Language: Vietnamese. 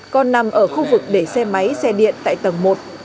còn nằm ở khu vực để xe máy xe điện tại tầng một